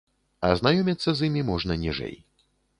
Азнаёміцца з імі можна ніжэй.